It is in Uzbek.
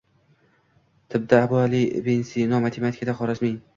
tibda Abu Ali Ibn Sino, matematikada Xorazmiy